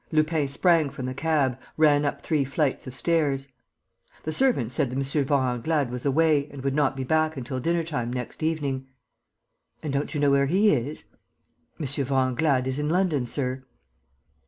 Lupin sprang from the cab, ran up three flights of stairs. The servant said that M. Vorenglade was away and would not be back until dinner time next evening. "And don't you know where he is?" "M. Vorenglade is in London, sir."